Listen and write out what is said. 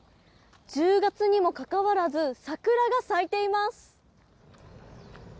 １０月にもかかわらず桜が咲いています。